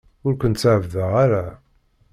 Ur kent-ɛebbdeɣ ara.